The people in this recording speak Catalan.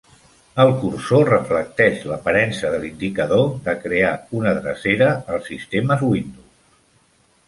El cursor reflecteix l'aparença de l'indicador de "crear una drecera" als sistemes Windows.